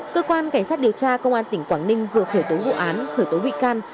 cơ quan cảnh sát điều tra công an tỉnh quảng ninh vừa khởi tố vụ án khởi tố bị can